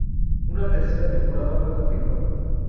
Una tercera temporada fue confirmada.